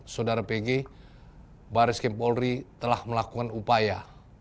saudara pg baris krimpolri telah melakukan upaya